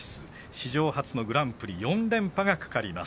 史上初のグランプリ４連覇がかかります。